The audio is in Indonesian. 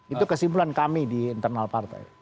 itu kesimpulan kami di internal partai